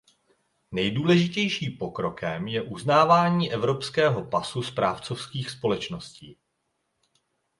Nejdůležitější pokrokem je uznávání evropského pasu správcovských společností.